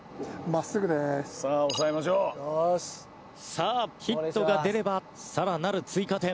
さあヒットが出れば更なる追加点。